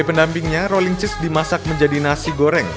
sehingga keju roll in cheese dimasak menjadi nasi goreng